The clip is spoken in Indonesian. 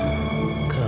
kamu tidak apa apa